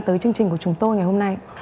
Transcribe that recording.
tới chương trình của chúng tôi ngày hôm nay